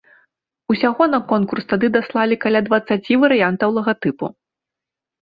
Усяго на конкурс тады даслалі каля дваццаці варыянтаў лагатыпу.